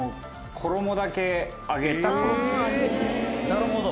「なるほど！」